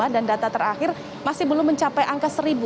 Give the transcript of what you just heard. dan data terakhir masih belum mencapai angka seribu